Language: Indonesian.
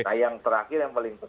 nah yang terakhir yang paling penting